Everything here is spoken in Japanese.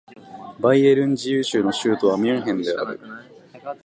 バイエルン自由州の州都はミュンヘンである